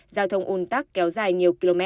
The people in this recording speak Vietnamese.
giao thông un tắc kéo dài nhiều km